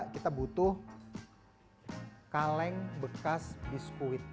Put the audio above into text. kita butuh kaleng bekas biskuit